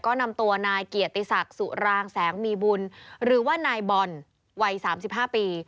ก็นำตัวนายเกียรติศักดิ์สุรางแสงมีบุญหรือว่านายบอลวัย๓๕ปี